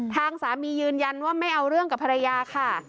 ทางสามียืนยันว่าไม่เอาเรื่องกับภรรยาค่ะ